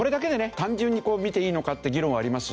単純に見ていいのかって議論はありますし。